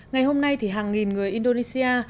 ngày hôm nay thì hàng nghìn người indonesia